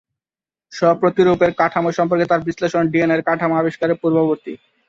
স্ব-প্রতিরূপের কাঠামো সম্পর্কে তাঁর বিশ্লেষণ ডিএনএর কাঠামো আবিষ্কারের পূর্ববর্তী।